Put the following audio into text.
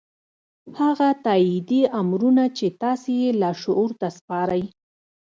هغه تايیدي امرونه چې تاسې یې لاشعور ته سپارئ